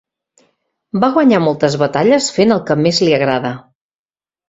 Va guanyar moltes batalles fent el que més li agrada.